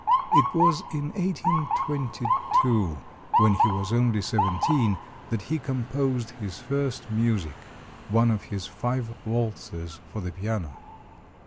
It was in 1822, when he was only seventeen, that he composed his first music one of his five waltzes for the piano.